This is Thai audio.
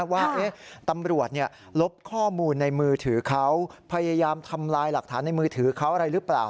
ว่าตำรวจลบข้อมูลในมือถือเขาพยายามทำลายหลักฐานในมือถือเขาอะไรหรือเปล่า